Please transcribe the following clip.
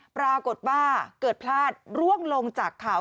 ปรากฏว่าเกิดพลาดร่วงลงจากเขา